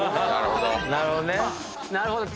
なるほど。